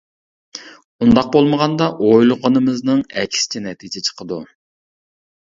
ئۇنداق بولمىغاندا ئويلىغىنىمىزنىڭ ئەكسىچە نەتىجە چىقىدۇ.